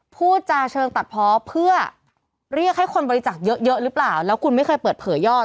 พูดจาเชิงตัดเพาะเพื่อเรียกให้คนบริจาคเยอะหรือเปล่าแล้วคุณไม่เคยเปิดเผยยอด